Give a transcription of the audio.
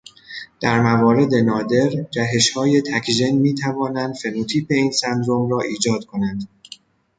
در موارد نادر، جهشهای تکژن میتوانند فنوتیپ این سندرم را ایجاد کنند.